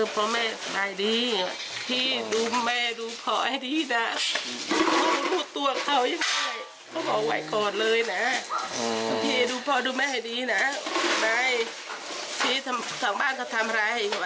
พี่ดูพ่อดูแม่ให้ดีนะพี่สั่งบ้านเขาทำอะไร